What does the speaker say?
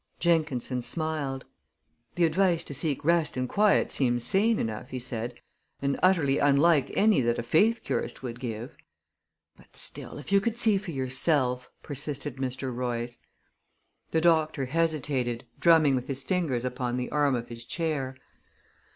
Jenkinson smiled. "The advice to seek rest and quiet seems sane enough," he said, "and utterly unlike any that a faith curist would give." "But still, if you could see for yourself," persisted Mr. Royce. The doctor hesitated, drumming with his fingers upon the arm of his chair.